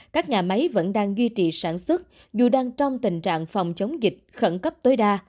các nhà máy vẫn đang duy trì sản xuất dù đang trong tình trạng phòng chống dịch khẩn cấp tối đa